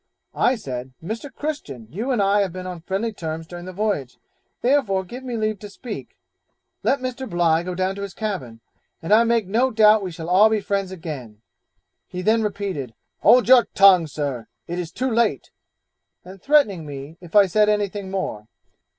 I said, Mr. Christian, you and I have been on friendly terms during the voyage, therefore give me leave to speak, let Mr. Bligh go down to his cabin, and I make no doubt we shall all be friends again; he then repeated, 'Hold your tongue, Sir; it is too late'; and threatening me if I said anything more.